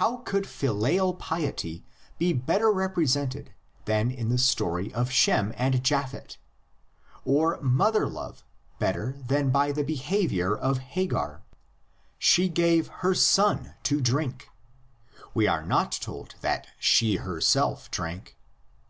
How could filial piety be better represented than in the story of Shem and Japhet? Or mother love better than by the behavior of Hagar? She gave her son to drink — we are not told that she herself drank.